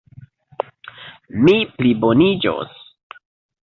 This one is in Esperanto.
Mi pliboniĝos.